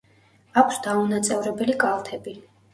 აქვს დაუნაწევრებელი კალთები.